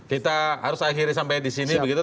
kita harus akhiri sampai disini begitu